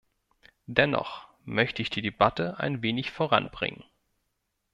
Dennoch möchte ich die Debatte ein wenig voranbringen.